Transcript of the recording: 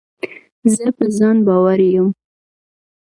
زه په ځان باوري یم.